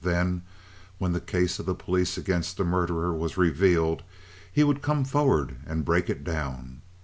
Then, when the case of the police against the murderer was revealed, he would come forward and break it down.